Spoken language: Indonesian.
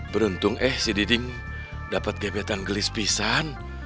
beruntung eh si diding dapat gebetan gelis pisang